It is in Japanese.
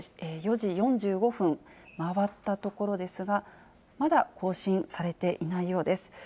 ４時４５分回ったところですが、まだ更新されていないようです。